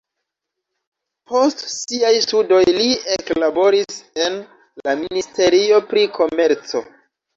Post siaj studoj li eklaboris en la ministerio pri komerco.